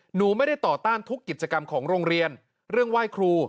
หนูไม่ได้ต่อต้านทุกกิจกรรมของโรงเรียนเรื่องไหว้ครู